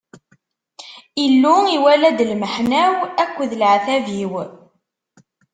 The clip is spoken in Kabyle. Illu iwala-d lmeḥna-w akked leɛtab-iw.